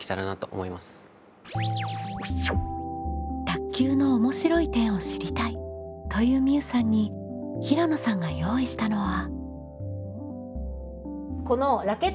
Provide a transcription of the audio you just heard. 「卓球の面白い点を知りたい」というみうさんに平野さんが用意したのは。